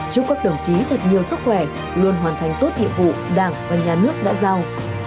chúc các đồng chí thật nhiều sức khỏe luôn hoàn thành tốt nhiệm vụ đảng và nhà nước đã giao